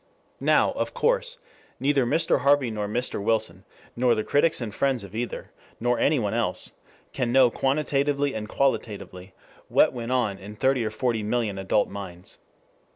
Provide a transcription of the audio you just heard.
Now, of course, neither Mr. Harvey nor Mr. Wilson, nor the critics and friends of either, nor any one else, can know quantitatively and qualitatively what went on in thirty or forty million adult minds.